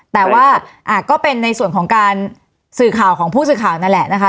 แต่ว่าก็เป็นในส่วนของการสื่อข่าวของผู้สื่อข่าวนั่นแหละนะคะ